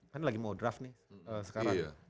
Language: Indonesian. kan lagi mau draft nih sekarang